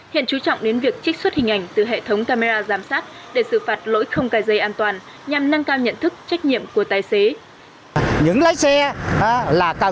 hiện chú trọng điều kiện xử phạt và chấp hành đúng quy định xử phạt